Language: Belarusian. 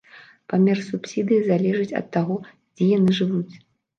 Памер субсідыі залежыць ад таго, дзе яны жывуць.